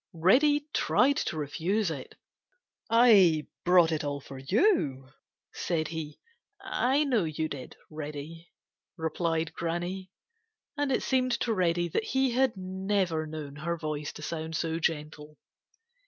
Reddy tried to refuse it. "I brought it all for you," said he. "I know you did, Reddy," replied Granny, and it seemed to Reddy that he never had known her voice to sound so gentle.